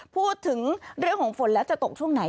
พูดถึงเรื่องของฝนแล้วจะตกช่วงไหน